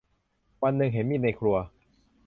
วันหนึ่งเห็นมีดในครัว